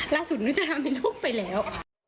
ล่าสุดนุชารามีลูกไปแล้ว